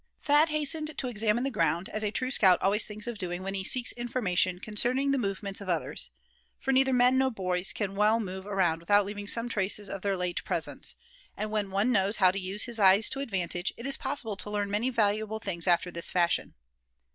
Thad hastened to examine the ground, as a true scout always thinks of doing when he seeks information concerning the movements of others; for neither men nor boys can well move around without leaving some traces of their late presence; and when one knows how to use his eyes to advantage, it is possible to learn many valuable things after this fashion.